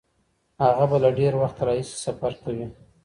هغه به له ډیر وخت راهیسې سفر کوي.